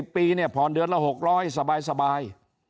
ปีเนี่ยผ่อนเดือนละ๖๐๐สบาย